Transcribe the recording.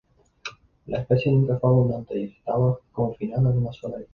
La especie nunca fue abundante y estaba confinada en una sola isla.